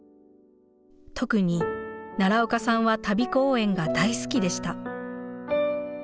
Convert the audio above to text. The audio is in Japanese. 特に奈良岡さんは旅公演が大好きでした。